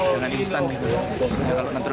jangan instan gitu